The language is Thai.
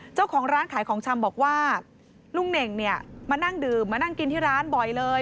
เจ้าของร้านขายของชำบอกว่าลุงเน่งเนี่ยมานั่งดื่มมานั่งกินที่ร้านบ่อยเลย